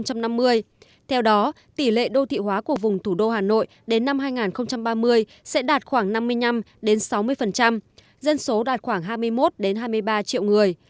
theo đó tỷ lệ đô thị hóa của vùng thủ đô hà nội đến năm hai nghìn ba mươi sẽ đạt khoảng năm mươi năm sáu mươi dân số đạt khoảng hai mươi một hai mươi ba triệu người